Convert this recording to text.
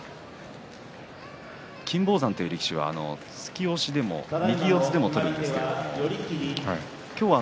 金峰山という力士は突き押しでも右四つでも取ることができるんです。